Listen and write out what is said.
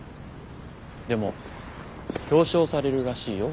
でも表彰されるらしいよ